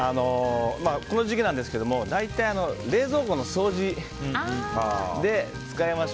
この時期なんですけど大体、冷蔵庫の掃除で作りました。